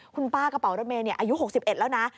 คุณป้ากระเป๋ารถเมย์อายุ๖๑แล้วนะ